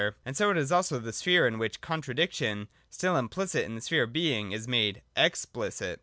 And so it is also the sphere in which the contradiction, still implicit in the sphere of Being, is made explicit.